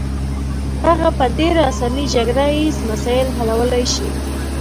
هغه په ډېره اسانۍ جګړه ییز مسایل حلولای شي.